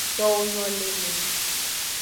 Towo nyo le me.